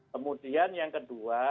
kemudian yang kedua